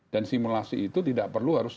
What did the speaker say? dan simulasi itu tidak perlu dikonsumsi